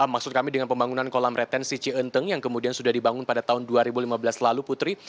maksud kami dengan pembangunan kolam retensi cienteng yang kemudian sudah dibangun pada tahun dua ribu lima belas lalu putri